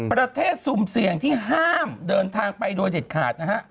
ซุ่มเสี่ยงที่ห้ามเดินทางไปโดยเด็ดขาดนะฮะ